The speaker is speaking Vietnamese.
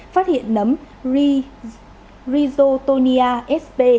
phát hiện nấm rizotonia sp